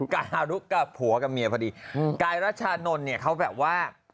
กาฮานุกับผัวกับเมียพอดีกายรัชานนท์เนี่ยเขาแบบว่า